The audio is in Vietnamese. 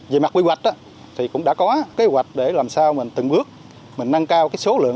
về mặt quy hoạch thì cũng đã có kế hoạch để làm sao mình từng bước mình nâng cao số lượng